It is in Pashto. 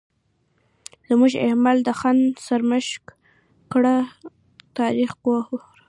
زموږ اعمال د ځان سرمشق کړه تاریخ ګوره.